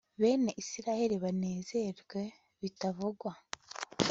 bene israheli banezerwe bitavugwa